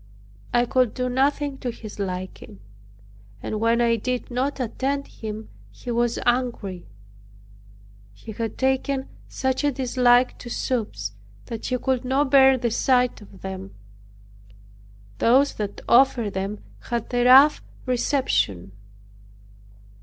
I could do nothing to his liking; and when I did not attend him he was angry. He had taken such a dislike to soups, that he could not bear the sight of them. Those that offered them had a rough reception.